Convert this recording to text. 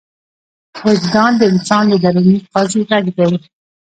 وجدان د انسان د دروني قاضي غږ دی.